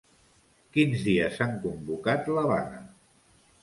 Quins dies han convocat la vaga?